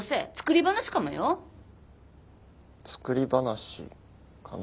作り話かな？